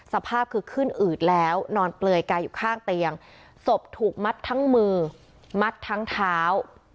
สภาพคือขึ้นอืดแล้วนอนเปลือยกายอยู่ข้างเตียงศพถูกมัดทั้งมือมัดทั้งเท้า